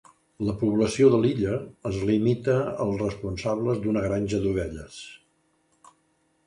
La població de l'illa es limita als responsables d'una granja d'ovelles.